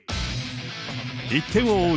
１点を追う